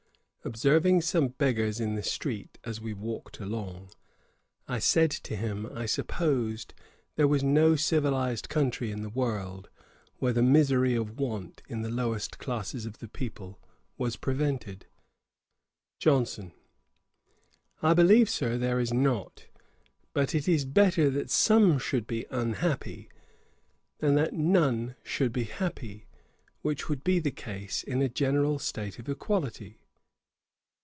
Observing some beggars in the street as we walked along, I said to him I supposed there was no civilised country in the world, where the misery of want in the lowest classes of the people was prevented. JOHNSON. 'I believe, Sir, there is not; but it is better that some should be unhappy, than that none should be happy, which would be the case in a general state of equality.'